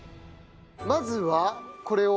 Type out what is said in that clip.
まずはこれを？